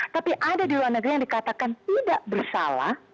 tapi ada di luar negeri yang dikatakan tidak bersalah